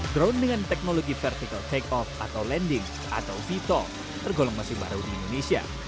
drone dengan teknologi vertical takeoff atau landing atau vtol tergolong masih baru di indonesia